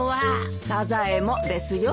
サザエもですよ。